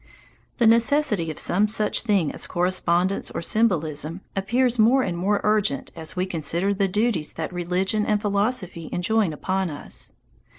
The necessity of some such thing as correspondence or symbolism appears more and more urgent as we consider the duties that religion and philosophy enjoin upon us.